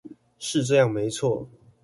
是這樣沒錯